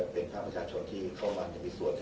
เป็นภาคประชาชนที่เข้ามาในวิสุทธิ์